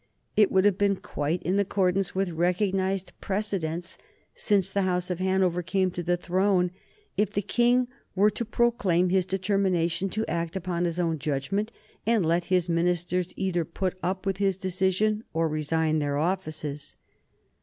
It would have been quite in accordance with recognized precedents since the House of Hanover came to the throne if the King were to proclaim his determination to act upon his own judgment and let his ministers either put up with his decision or resign their offices.